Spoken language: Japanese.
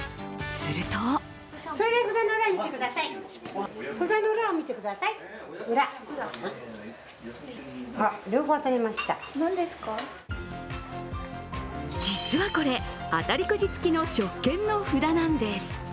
すると実はこれ、当たりくじ付きの食券の札なんです。